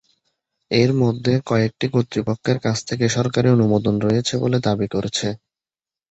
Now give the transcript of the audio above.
এর মধ্যে কয়েকটি কর্তৃপক্ষের কাছ থেকে সরকারী অনুমোদন রয়েছে বলে দাবি করেছে।